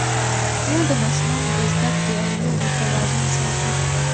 مور د ماشومانو د زده کړې او لوبو توازن ساتي.